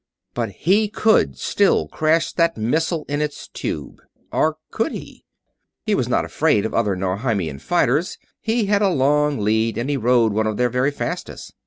But he could still crash that missile in its tube. Or could he? He was not afraid of other Norheiman fighters; he had a long lead and he rode one of their very fastest.